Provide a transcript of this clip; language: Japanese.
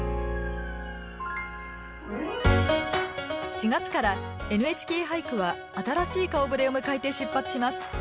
４月から「ＮＨＫ俳句」は新しい顔ぶれを迎えて出発します。